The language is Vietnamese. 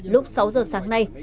lúc sáu giờ sáng nay